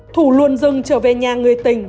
thủ luôn dừng trở về nhà người tình